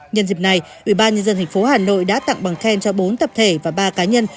nhân dịp này ủy ban nhân dân tp hà nội đã tặng bằng khen cho bốn tập thể và ba cá nhân